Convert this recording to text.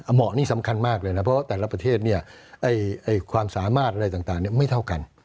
เหมาะนี่สำคัญมากเลยนะเพราะแต่ละประเทศความสามารถอะไรต่างไม่เท่ากัน